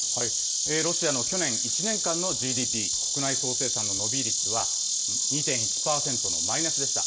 ロシアの去年１年間のＧＤＰ・国内総生産の伸び率は、２．１％のマイナスでした。